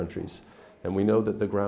để làm những thứ